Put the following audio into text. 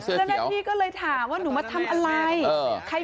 เสื้อเดี๋ยวแล้วแม่พี่ก็เลยถามว่าหนูมาทำอะไรเออใคร